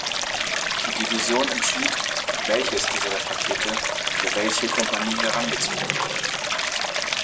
Die Division entschied, welches dieser “Pakete” für welche Kompanie herangezogen wurde.